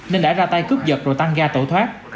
nên đã ra tay cướp giật rồi tăng ga tẩu thoát